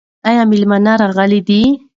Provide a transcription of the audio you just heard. ایا مېلمانه راغلي دي؟